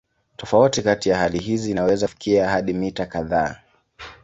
Tofauti kati ya hali hizi inaweza kufikia hadi mita kadhaa.